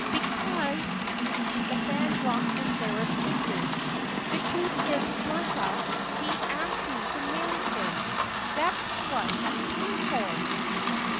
"Because—" The fan dropped from Sarah's fingers. "The truth is, Bertha, he asked me to marry him; that's what he came for."